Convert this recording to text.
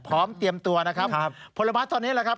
พร้อมเตรียมตัวนะครับครับผลไม้ตอนนี้แหละครับ